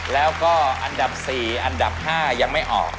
แล้วก็อันดับ๔อันดับ๕ยังไม่ออก